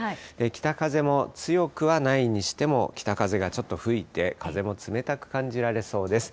北風も強くはないにしても、北風がちょっと吹いて、風も冷たく感じられそうです。